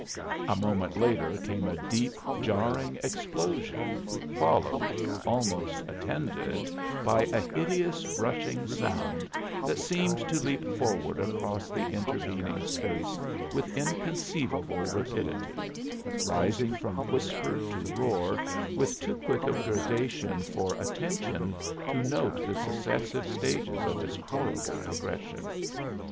A moment later came a deep, jarring explosion, followed almost attended by a hideous rushing sound that seemed to leap forward across the intervening space with inconceivable rapidity, rising from whisper to roar with too quick a gradation for attention to note the successive stages of its horrible progression!